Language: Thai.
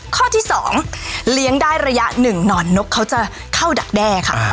ข้อที่๒เลี้ยงได้ระยะหนึ่งหนอนนกเขาจะเข้าดักแด้ค่ะ